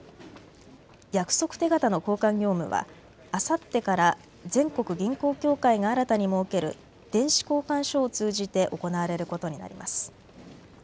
約束手形の交換業務はあさってから全国銀行協会が新たに設ける電子交換所を通じて行われることになります。